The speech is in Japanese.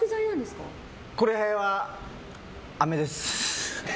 これは、あめです。